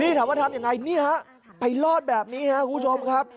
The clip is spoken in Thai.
นี่ถามว่าทำยังไงนี่ฮะไปรอดแบบนี้ครับคุณผู้ชมครับ